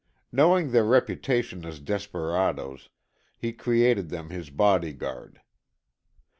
Knowing their reputation as desperadoes, he created them his body guard.